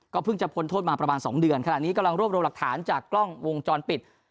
เพิ่งจะพ้นโทษมาประมาณ๒เดือนขณะนี้กำลังรวบรวมหลักฐานจากกล้องวงจรปิด